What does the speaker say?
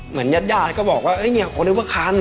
เหมือนญาติอย่ารีเวอร์คารซ์